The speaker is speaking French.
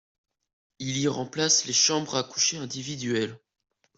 Il y remplace les chambres à coucher individuelles.